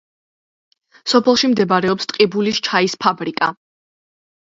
სოფელში მდებარეობს ტყიბულის ჩაის ფაბრიკა.